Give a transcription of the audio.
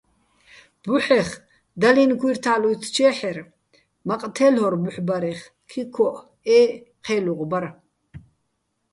ბუჰ̦ეხ დალინო̆ ქუჲრთა́ლ უ́ჲთთჩეჰ̦ერ, მაყ თე́ლ'ორ ბუჰ̦ ბარეხ, ქიქოჸ ე ჴე́ლუღ ბარ.